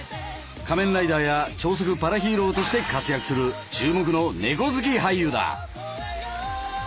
仮面ライダーや超速パラヒーローとして活躍する注目のねこ好き俳優だ！